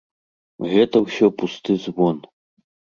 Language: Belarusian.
Гэта ўсё пусты звон.